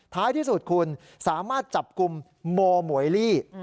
ท้ายที่สุดคุณสามารถจับกลุ่มโมหมวยลี่